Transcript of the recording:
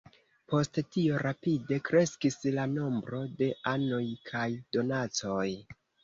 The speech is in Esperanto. Post tio rapide kreskis la nombro de anoj kaj donacoj.